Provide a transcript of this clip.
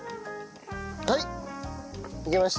はいできました！